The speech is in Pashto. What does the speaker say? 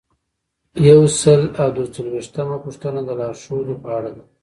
یو سل او درې څلویښتمه پوښتنه د لارښوود په اړه ده.